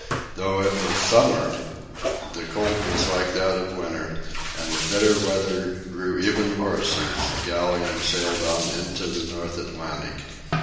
Though it was summer, the cold was like that of winter, and the bitter weather grew even worse as the galleons sailed on into the North Atlantic.